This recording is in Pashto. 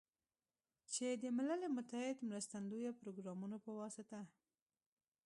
چې د ملل متحد مرستندویه پروګرامونو په واسطه